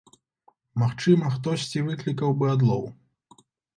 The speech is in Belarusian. Магчыма, хтосьці выклікаў бы адлоў.